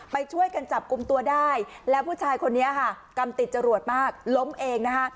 ไปช่วยกันจับกลุ่มตัวได้แล้วผู้ชายคนนี้ค่ะกรรมติดจรวดมากล้มเองนะคะ